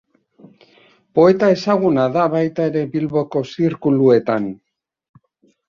Poeta ezaguna da baita ere Bilboko zirkuluetan.